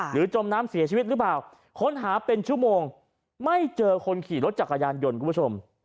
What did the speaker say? จมน้ำเสียชีวิตหรือเปล่าค้นหาเป็นชั่วโมงไม่เจอคนขี่รถจักรยานยนต์คุณผู้ชม